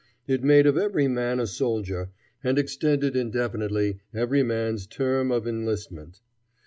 It made of every man a soldier, and extended indefinitely every man's term of enlistment.